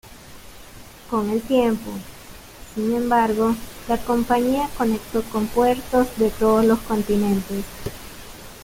Con el tiempo, sin embargo la compañía conectó con puertos de todos los continentes.